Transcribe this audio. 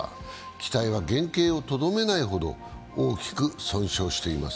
機体は原形をとどめないほど大きく損傷しています。